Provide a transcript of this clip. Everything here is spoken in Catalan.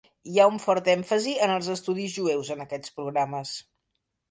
Hi ha un fort èmfasi en els estudis jueus en aquests programes.